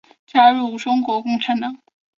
加入中国共产党。